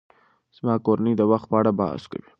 زما کورنۍ د وخت په اړه بحث کوي.